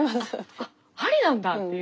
ありなんだっていう。